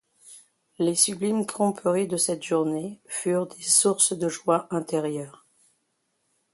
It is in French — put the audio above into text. Les sublimes tromperies de cette journée furent des sources de joie intérieure.